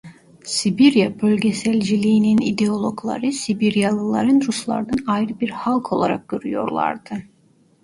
Sibirya bölgeselciliğinin ideologları Sibiryalıları Ruslardan ayrı bir halk olarak görüyorlardı.